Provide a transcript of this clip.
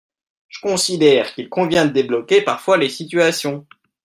Je considère qu’il convient de débloquer parfois les situations.